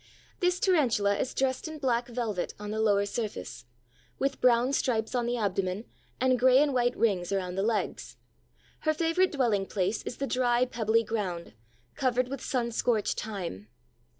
This Tarantula is dressed in black velvet on the lower surface, with brown stripes on the abdomen and gray and white rings around the legs. Her favorite dwelling place is the dry, pebbly ground, covered with sun scorched thyme.